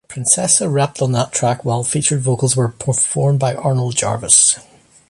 Princessa rapped on that track while featured vocals were performed by Arnold Jarvis.